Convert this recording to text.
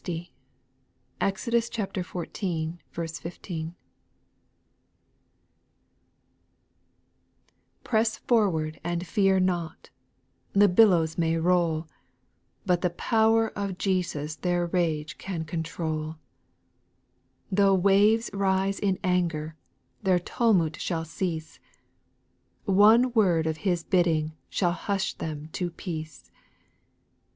60. Exodus xiv. 15. 1. T)RESS forward and fear not ; the billows X may roll, But the power of Jesus their rage can control ; Though waves rise in anger, their tumult shall cease. One word of His bidding shall hush them to peace.